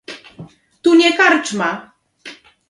"Tu nie karczma!"